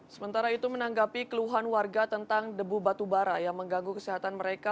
sementara itu menanggapi keluhan warga tentang debu batubara yang mengganggu kesehatan mereka